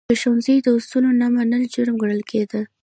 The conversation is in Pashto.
د ښوونځي د اصولو نه منل، جرم ګڼل کېده.